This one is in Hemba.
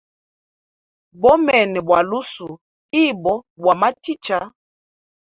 Bomene bwa lusuhu ibo bwa machicha.